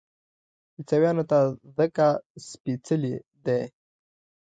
عیسویانو ته ځکه سپېڅلی دی.